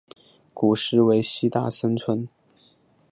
古时为西大森村。